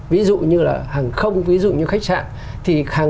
ví dụ như là hàng không ví dụ như khách sạn